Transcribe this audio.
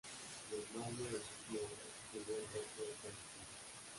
Y en mayo del mismo año llegó el resto del donativo.